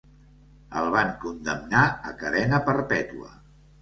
El van condemnar a cadena perpètua.